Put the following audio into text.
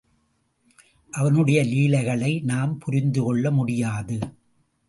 அவனுடைய லீலைகளை நாம் புரிந்து கொள்ள முடியாது.